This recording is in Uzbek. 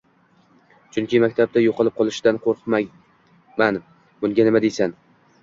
chunki maktabda yo‘qolib qolishidan qo‘rqaman. Bunga nima deysan?